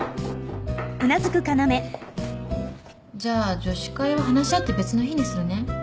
じゃあ女子会は話し合って別の日にするね。